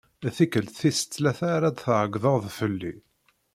D tikelt tis tlata ara d-tɛeggdeḍ fell-i.